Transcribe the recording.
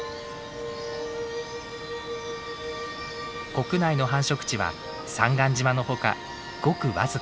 国内の繁殖地は三貫島のほかごく僅か。